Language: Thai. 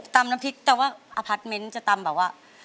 น้ำพริกแต่ว่าอพาร์ทเมนต์จะตำแบบว่า